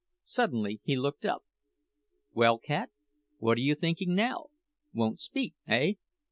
Suddenly he looked up. "Well, cat, what are you thinking about now? Won't speak, eh?